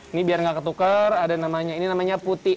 ini biar nggak ketukar ada namanya ini namanya putih